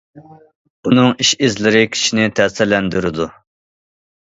ئۇنىڭ ئىش- ئىزلىرى كىشىنى تەسىرلەندۈرىدۇ.